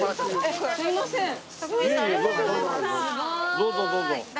どうぞどうぞ。